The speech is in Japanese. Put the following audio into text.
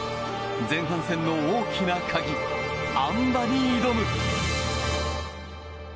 前半戦の大きな鍵あん馬に挑む。